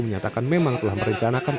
menyatakan memang telah merencanakan